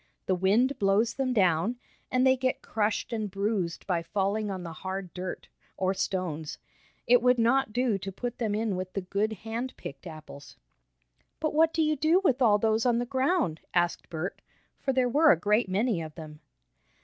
The wind blows them down, and they get crushed and bruised by falling on the hard dirt, or stones. It would not do to put them in with the good hand picked apples." "But what do you do with all those on the ground?" asked Bert, for there were a great many of them.